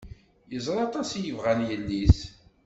Yeẓra aṭas i yebɣan yelli-s.